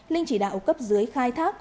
linh chỉ đạo cấp dưới khai thác